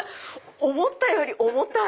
思ったより重たい。